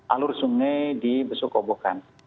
alur sungai di besuk kobokan